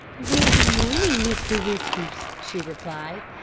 "Good morning, Mr. Whiskers," she replied.